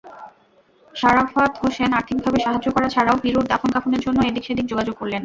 শরাফত হোসেন আর্থিকভাবে সাহায্য করা ছাড়াও পিরুর দাফন–কাফনের জন্য এদিক সেদিক যোগাযোগ করলেন।